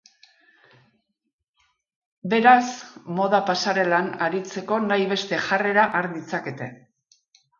Beraz, moda pasarelan aritzeko nahi beste jarrera har ditzakete.